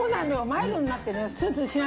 マイルドになってるのよ。